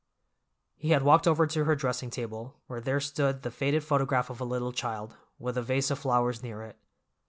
He had walked over to her dressing table, where there stood the faded photograph of a little child, with a vase of flowers near it.